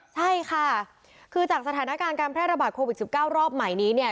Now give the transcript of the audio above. ใช่ค่ะคือจากสถานการณ์การแพร่ระบาดโควิด๑๙รอบใหม่นี้เนี่ย